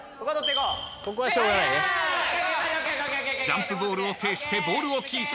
［ジャンプボールを制してボールをキープ］